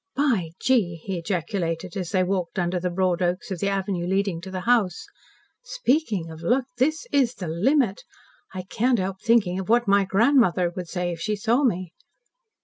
"By gee," he ejaculated, as they walked under the broad oaks of the avenue leading to the house. "Speaking of luck, this is the limit! I can't help thinking of what my grandmother would say if she saw me."